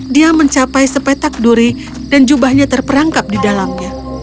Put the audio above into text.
dia mencapai sepetak duri dan jubahnya terperangkap di dalamnya